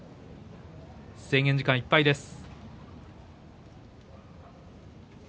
制限時間いっぱいです。